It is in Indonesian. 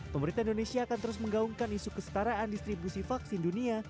pemerintah indonesia akan terus menggaungkan isu kesetaraan distribusi vaksin dunia